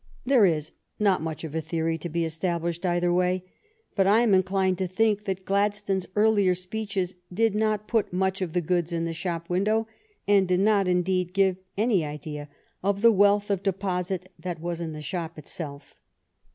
There is not much of a theory to be established either way. But I am inclined to think that Glad stone's earlier speeches did not put much of the goods in the shop window, and did not, indeed, give any idea of the wealth of deposit that was in the shop itself.